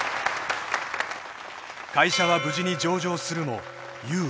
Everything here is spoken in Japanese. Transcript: ［会社は無事に上場するも優は］